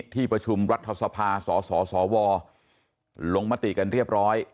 ที่ประชุมรัฐสภาสสวลงมติกันเรียบร้อย